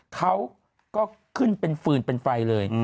เขาก็ขึ้นเป็นฟืนเป็นไฟเลย